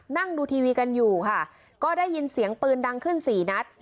นั่งดูทีวีกันอยู่ค่ะก็ได้ยินเสียงปืนดังขึ้นสี่นัด